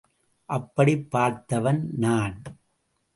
அப்படிப் பார்த்தவன் நான்.